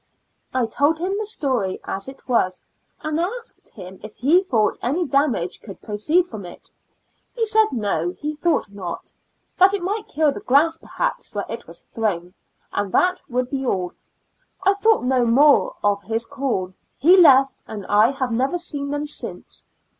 I told him the story as it was, and asked him if he thought any damage could proceed from it. He said no, he thought not ; that it might kill the grass, perhaps, where it was thrown, and that would be all. I thought no more of his call ; he left, and I have never seen them since.